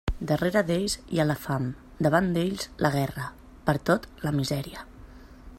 Darrere d'ells hi ha la fam, davant d'ells la guerra, pertot la misèria.